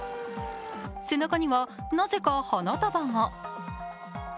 背中にはなぜか花束が。